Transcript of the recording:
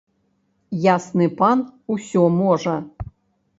Ясны пан усё можа.